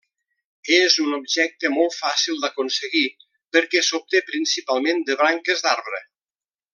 És un objecte molt fàcil d'aconseguir, perquè s'obté principalment de branques d'arbre.